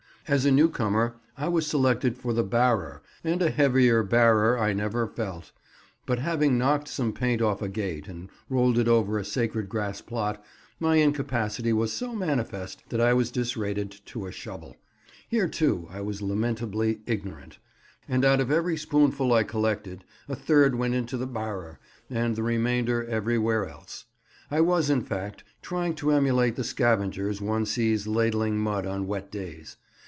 As a newcomer I was selected for the "barrer," and a heavier "barrer" I never felt; but having knocked some paint off a gate, and rolled it over a sacred grass plot, my incapacity was so manifest that I was disrated to a shovel. Here, too, I was lamentably ignorant, and out of every spoonful I collected a third went into the "barrer" and the remainder everywhere else. I was, in fact, trying to emulate the scavengers one sees ladling mud on wet days.